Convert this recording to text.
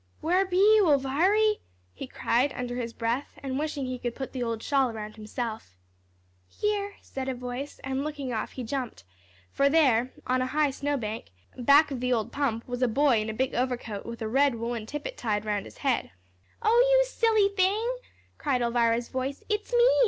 "Where be you, Elviry?" he cried, under his breath, and wishing he could put the old shawl around himself. "Here," said a voice, and looking off, he jumped, for there on a high snowbank, back of the old pump, was a boy in a big overcoat with a red woollen tippet tied around his head. Luke took one good look, then sprang for the house. "Oh, you silly thing," cried Elvira's voice, "it's me!